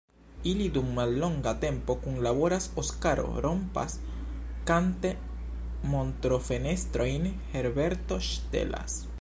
Ili dum mallonga tempo kunlaboras: Oskaro rompas kante montrofenestrojn, Herberto ŝtelas.